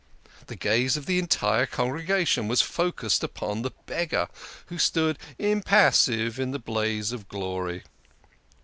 The gaze of the entire congregation was focussed upon the Beggar, who stood impassive in the blaze of glory.